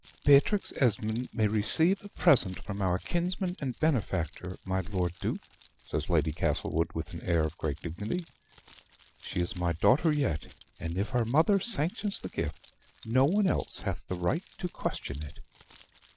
"Beatrix Esmond may receive a present from our kinsman and benefactor, my Lord Duke," says Lady Castlewood, with an air of great dignity. "She is my daughter yet: and if her mother sanctions the gift no one else hath the right to question it."